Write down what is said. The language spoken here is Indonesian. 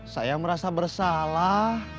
saya merasa bersalah